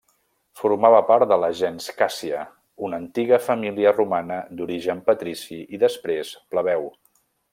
Formava part de la gens Càssia, una antiga família romana d'origen patrici i després plebeu.